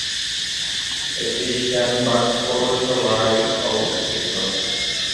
এটি সেনবাগ পৌরসভায় অবস্থিত।